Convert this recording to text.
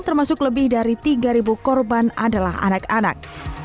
termasuk lebih dari tiga korban adalah anak anak